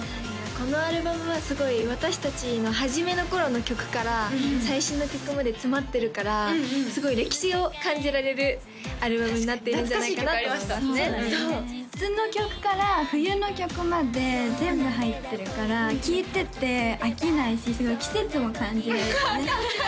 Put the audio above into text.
このアルバムはすごい私達の初めの頃の曲から最新の曲まで詰まってるからすごい歴史を感じられるアルバムになっているんじゃないかなと思いますね夏の曲から冬の曲まで全部入ってるから聴いてて飽きないしすごい季節も感じられてね